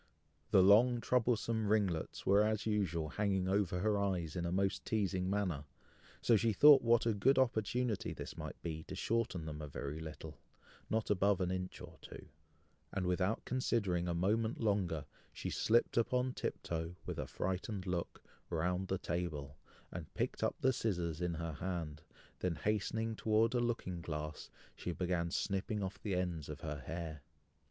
The long troublesome ringlets were as usual hanging over her eyes in a most teazing manner, so she thought what a good opportunity this might be to shorten them a very little, not above an inch or two; and without considering a moment longer, she slipped upon tiptoe, with a frightened look, round the table, and picked up the scissors in her hand, then hastening towards a looking glass, she began snipping off the ends of her hair.